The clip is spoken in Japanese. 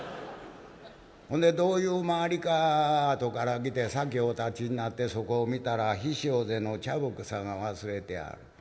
「ほんでどういう回りか後から来て先お立ちになってそこを見たら緋塩瀬の茶袱紗が忘れてある。